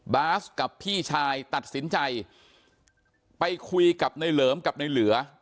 บ๊าซกับพี่ชายตัดสินใจไปคุยกับนายเหลือกับนายเหลือ